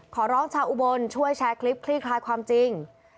ขอร้องชาวอุบลช่วยแชร์คลิปคลี่คลายความจริง